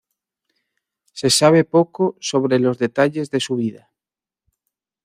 Se sabe poco sobre los detalles de su vida.